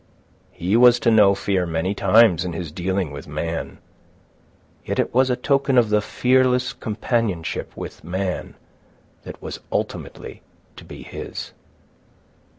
He was to know fear many times in his dealing with man; yet it was a token of the fearless companionship with man that was ultimately to be his.